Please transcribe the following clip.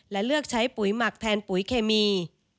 และเลือกใช้ปุ๋ยหมักแทนปุ๋ยเคมี